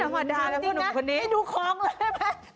ไม่ดูคล้องเลยแม่